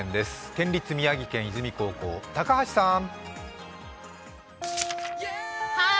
県立宮城県泉高校、高橋さん！